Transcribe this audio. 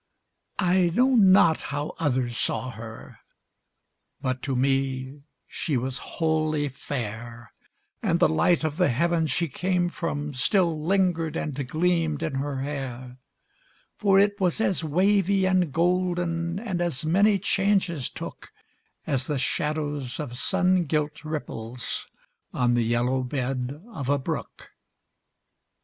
I know not how others saw her, But to me she was wholly fair, And the light of the heaven she came from Still lingered and gleamed in her hair; For it was as wavy and golden, And as many changes took, As the shadows of sun gilt ripples On the yellow bed of a brook.